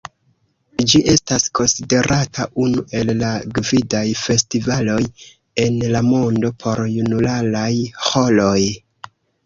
Ĝi estas konsiderata unu el la gvidaj festivaloj en la mondo por junularaj ĥoroj.